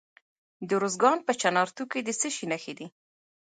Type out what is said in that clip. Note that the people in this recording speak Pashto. د ارزګان په چنارتو کې د څه شي نښې دي؟